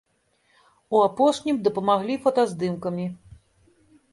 У апошнім дапамаглі фотаздымкамі.